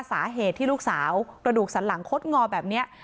สาเหตุที่ลูกสาวกระดูกสันหลังคดงอแบบนี้